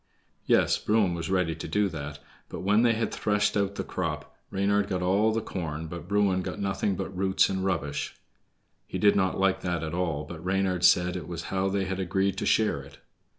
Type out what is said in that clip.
Yes, Bruin was ready to do that; but when they had threshed out the crop, Reynard got all the corn, but Bruin got nothing but roots and rubbish. He did not like that at all, but Reynard said it was how they had agreed to share it.